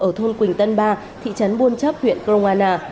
ở thôn quỳnh tân ba thị trấn buôn chấp huyện kroana